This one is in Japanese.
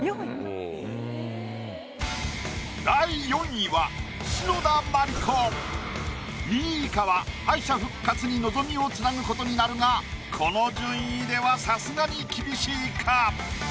２位以下は敗者復活に望みをつなぐ事になるがこの順位ではさすがに厳しいか。